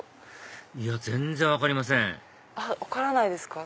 いや全然分かりません分からないですか？